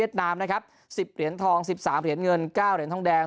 ลับสองอันดับ๒เวียดนาม๑๐เหรียญทอง๑๓เหรียญเงิน๙เหรียญทองแดง